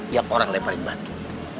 yang orang leparin batu